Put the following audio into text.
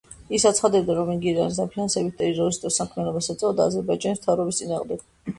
ის აცხადებდა, რომ იგი ირანის დაფინანსებით ტერორისტულ საქმიანობას ეწეოდა აზერბაიჯანის მთავრობის წინააღმდეგ.